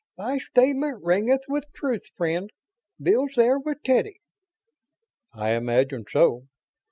"Thy statement ringeth with truth, friend. Bill's there with Teddy?" "I imagine so."